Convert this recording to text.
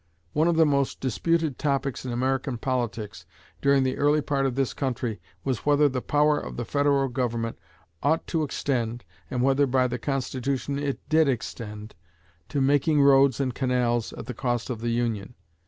One of the most disputed topics in American politics during the early part of this century was whether the power of the federal government ought to extend, and whether by the Constitution it did extend, to making roads and canals at the cost of the Union.